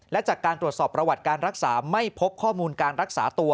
และจากการตรวจสอบประวัติการรักษาไม่พบข้อมูลการรักษาตัว